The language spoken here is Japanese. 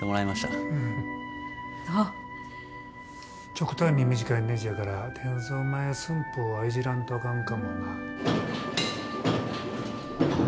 極端に短いねじやから転造前寸法はいじらんとあかんかもな。